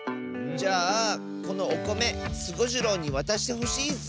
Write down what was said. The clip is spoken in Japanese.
じゃあこのおこめスゴジロウにわたしてほしいッス！